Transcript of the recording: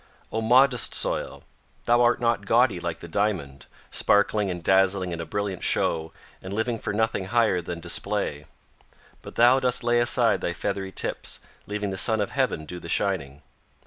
"O modest soil! Thou are not gaudy like the diamond, sparkling and dazzling in a brilliant show and living for nothing higher than display. But thou dost lay aside thy feathery tips, leaving the sun of heaven do the shining.